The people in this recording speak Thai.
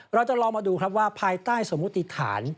เราจะลองมาดูครับว่าภายใต้สมมุติฐาน